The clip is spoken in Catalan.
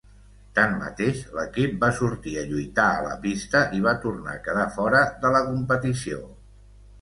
Tanmateix, l'equip va sortir a lluitar a la pista i va tornar a quedar fora de la competició.